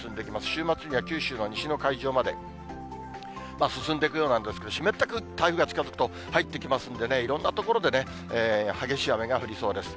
週末には九州の西の海上まで進んでいくようなんですけれども、湿った空気、台風が近づくと、入ってきますんでね、いろんな所で激しい雨が降りそうです。